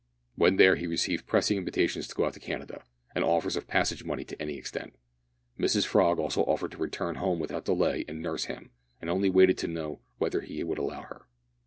When there he received pressing invitations to go out to Canada, and offers of passage money to any extent. Mrs Frog also offered to return home without delay and nurse him, and only waited to know whether he would allow her.